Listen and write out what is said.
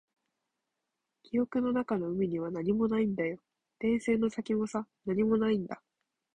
記憶の中の海には何もないんだよ。電線の先もさ、何もないんだ。